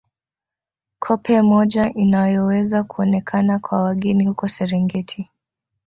Koppe moja inayoweza kuonekana kwa wageni huko Serengeti